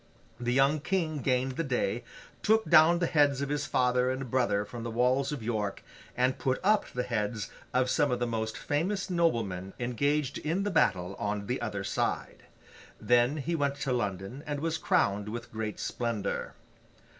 The young King gained the day, took down the heads of his father and brother from the walls of York, and put up the heads of some of the most famous noblemen engaged in the battle on the other side. Then, he went to London and was crowned with great splendour.